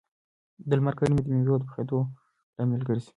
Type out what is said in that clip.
د لمر ګرمي د مېوو د پخېدو لامل ګرځي.